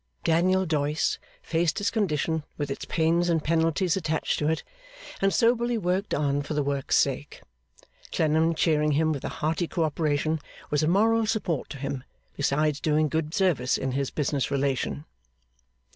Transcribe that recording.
Daniel Doyce faced his condition with its pains and penalties attached to it, and soberly worked on for the work's sake. Clennam cheering him with a hearty co operation, was a moral support to him, besides doing good service in his business relation.